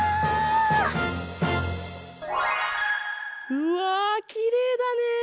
うわきれいだねえ！